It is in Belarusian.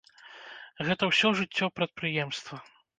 Гэта ўсё жыццё прадпрыемства.